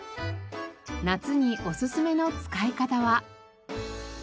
夏におすすめの使い方は。